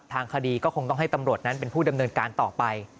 ทางคดีก็คงต้องให้ตำรวจนั้นเป็นผู้ดำเนินการต่อไป